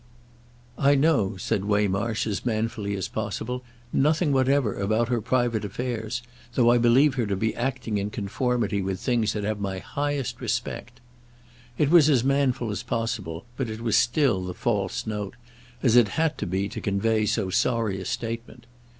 "I know," said Waymarsh as manfully as possible, "nothing whatever about her private affairs; though I believe her to be acting in conformity with things that have my highest respect." It was as manful as possible, but it was still the false note—as it had to be to convey so sorry a statement.